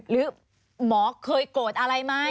หรือหมอเคยโกรธอะไรไหม